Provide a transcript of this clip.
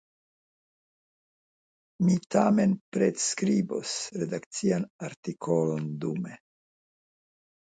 Mi tamen pretskribos redakcian artikolon dume.